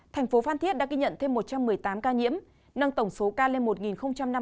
thành phố phan thiết đã ghi nhận thêm một trăm một mươi tám ca nhiễm nâng tổng số ca lên một năm mươi tám ca